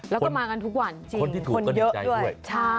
แล้วก็มากันทุกวันคนที่ถูกก็ดีใจด้วย